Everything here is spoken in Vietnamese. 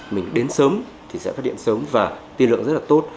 mình đến sớm thì sẽ phát hiện sớm và tiên lượng rất là tốt